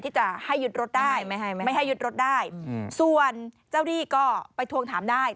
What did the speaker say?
ที่จะให้ยึดรถได้ไม่ให้ยึดรถได้ส่วนเจ้าหนี้ก็ไปทวงถามได้